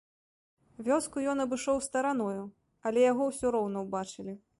Вёску ён абышоў стараною, але яго ўсё роўна ўбачылі.